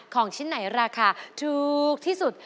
ของชิ้นไหนราคาถูกที่สุด